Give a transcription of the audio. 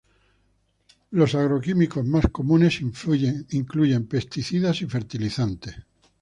Los agroquímicos más comunes incluyen pesticidas y fertilizantes.